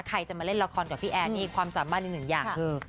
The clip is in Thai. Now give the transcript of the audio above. ใครจะมาเล่นละครกับพี่แอร์นี่ความสามารถอีกหนึ่งอย่างคือ